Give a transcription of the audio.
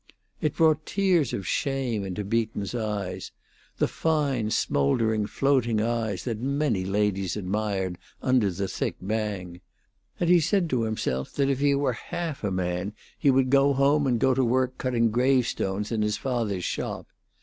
It brought tears of shame into Beaton's eyes the fine, smouldering, floating eyes that many ladies admired, under the thick bang and he said to himself that if he were half a man he would go home and go to work cutting gravestones in his father's shop.